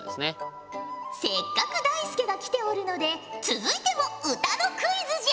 せっかくだいすけが来ておるので続いても歌のクイズじゃ！